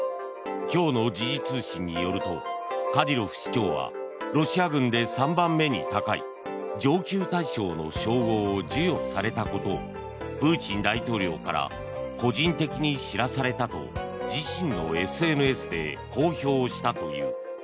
今日の時事通信によるとカディロフ首長はロシア軍で３番目に高い上級大将の称号を授与されたことをプーチン大統領から個人的に知らされたと自身のＳＮＳで公表したという。